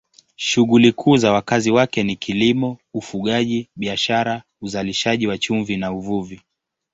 Shughuli kuu za wakazi wake ni kilimo, ufugaji, biashara, uzalishaji wa chumvi na uvuvi.